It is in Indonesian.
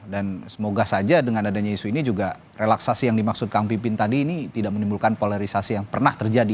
dan semoga saja dengan adanya isu ini juga relaksasi yang dimaksudkan pimpin tadi ini tidak menimbulkan polarisasi yang pernah terjadi